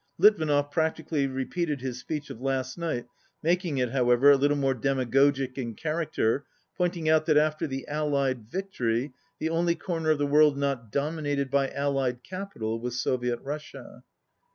Litvinov practi cally repeated his speech of last night, making it, however, a little more demagogic in character, pointing out that after the Allied victory, the only corner of the world not dominated by Allied capi tal was Soviet Russia.